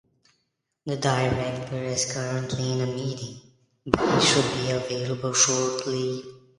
The director is currently in a meeting, but he should be available shortly.